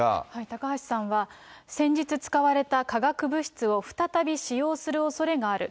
高橋さんは先日使われた化学物質を再び使用するおそれがある。